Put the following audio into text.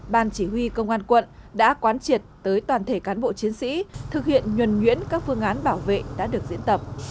ban chỉ huy công an quận đã quán triệt tới toàn thể cán bộ chiến sĩ thực hiện nhuần nhuyễn các phương án bảo vệ đã được diễn tập